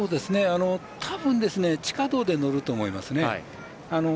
多分、地下道で乗ると思いますね。